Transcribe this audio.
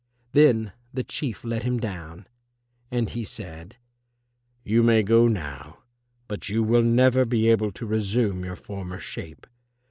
Then the Chief let him down. And he said, "You may go now, but you will never be able to resume your former shape.